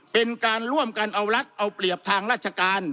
เป็นการร่วมกันเอารัฐเอาเปรียบทางราชการ